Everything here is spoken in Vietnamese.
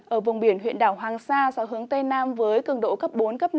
ở vùng biển huyện đảo hoàng sa so với hướng tây nam với cường độ cấp bốn năm